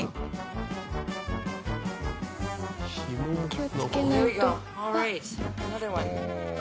気をつけないと。